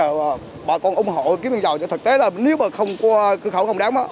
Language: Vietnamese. bây giờ bà con ủng hộ kiếm miền giàu thật tế là nếu mà không có cơ khẩu không đáng